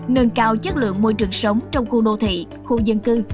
nâng cao chất lượng môi trường sống trong khu đô thị khu dân cư